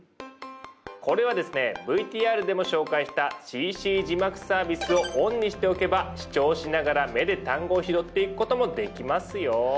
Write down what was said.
これはですねＶＴＲでも紹介したＣＣ字幕サービスをオンにしておけば視聴しながら目で単語を拾っていくこともできますよ。